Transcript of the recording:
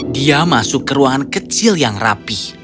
dia masuk ke ruangan kecil yang rapih